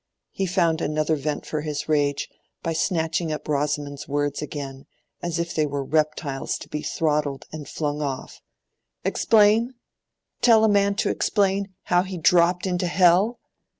He found another vent for his rage by snatching up Rosamond's words again, as if they were reptiles to be throttled and flung off. "Explain! Tell a man to explain how he dropped into hell!